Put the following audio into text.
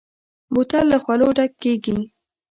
بوتل له خولو ډک کېږي.